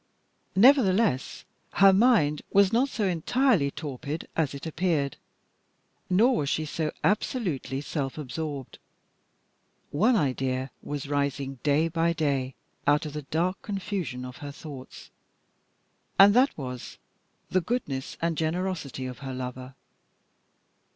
Nevertheless, her mind was not so entirely torpid as it appeared, nor was she so absolutely self absorbed. One idea was rising day by day out of the dark confusion of her thoughts, and that was the goodness and generosity of her lover.